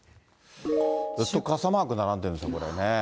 ずっと傘マーク並んでいるんですね、これね。